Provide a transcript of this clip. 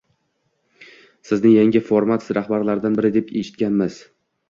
Sizni yangi format rahbarlaridan biri deb eshitganmiz